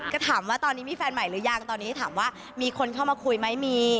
ก็ถามว่าตอนนี้มีแฟนใหม่หรือยังตอนนี้ถามว่ามีคนเข้ามาคุยไหมมี